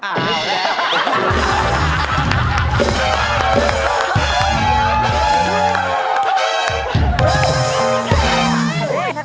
อ้าวเอาแล้ว